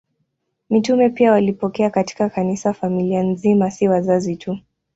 Mitume pia walipokea katika Kanisa familia nzima, si wazazi tu.